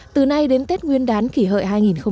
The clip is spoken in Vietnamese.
từ nay đến tết nguyên đán kỷ hợi hai nghìn một mươi chín